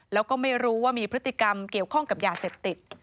แล้วก็ไม่รู้ว่ามีพฤติกรรมเกี่ยวข้องกับยาเสพติด